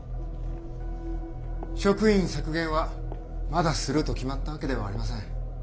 職員削減はまだすると決まったわけではありません。